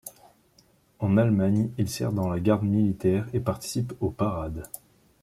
En Allemagne, il sert dans la garde militaire et participe aux parades.